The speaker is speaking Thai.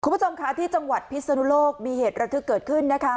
คุณผู้ชมค่ะที่จังหวัดพิศนุโลกมีเหตุระทึกเกิดขึ้นนะคะ